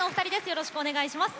よろしくお願いします。